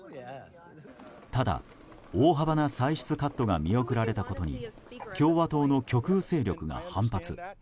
ただ、大幅な歳出カットが見送られたことに共和党の極右勢力が反発。